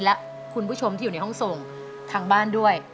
และคุณผู้ชมที่อยู่ในห้องส่งทางบ้านด้วย